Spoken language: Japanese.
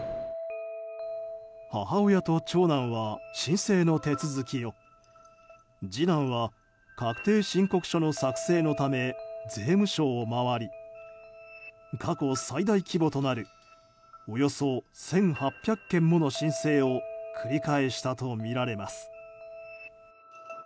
母親と長男は申請の手続きを次男は確定申告書の作成のため税務署を回り過去最大規模となるおよそ１８００件もの申請を繰り返したとみられます。